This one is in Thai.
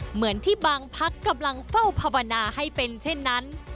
เหมือนที่บางพักกำลังเฝ้าภาวนาให้เป็นเช่นนั้น